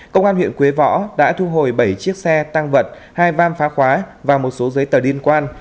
công an huyện quế võ đã thu hồi bảy chiếc xe tăng vật hai vam phá khóa và một số giấy tờ liên quan